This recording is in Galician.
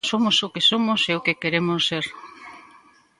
Somos o que somos e o que queremos ser.